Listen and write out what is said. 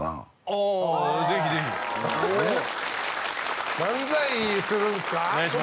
ああぜひぜひああ漫才するんすか？